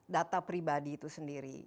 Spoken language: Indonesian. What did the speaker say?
data pribadi itu sendiri